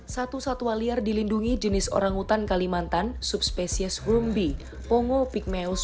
satu satua liar dilindungi jenis orangutan kalimantan subspecies grumby pongo pygmaeus